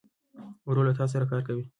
ورور له تا سره کار کوي.